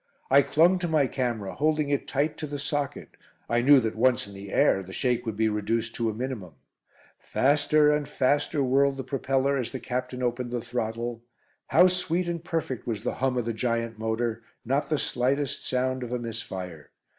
I clung to my camera, holding it tight to the socket. I knew that once in the air the shake would be reduced to a minimum. Faster and faster whirled the propeller as the Captain opened the throttle. How sweet and perfect was the hum of the giant motor. Not the slightest sound of a misfire.